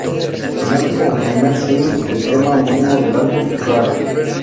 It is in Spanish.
Se lanza como primer single el tema homónimo del álbum, "Rara".